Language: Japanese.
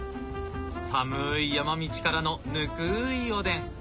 寒い山道からのぬくいおでん。